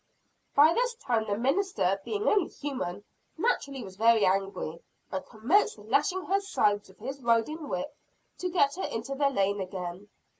By this time, the minister, being only human, naturally was very angry; and commenced lashing her sides with his riding whip to get her into the lane again.